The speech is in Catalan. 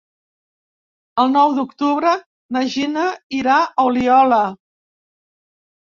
El nou d'octubre na Gina irà a Oliola.